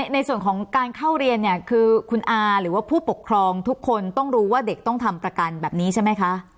ในส่วนของการเข้าเรียนเนี่ยคือคุณอาหรือว่าผู้ปกครองทุกคนต้องรู้ว่าเด็กต้องทำประกันแบบนี้ใช่ไหมคะ